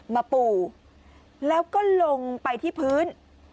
ปู่แล้วก็ลงไปที่พื้น